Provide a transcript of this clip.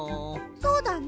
そうだね。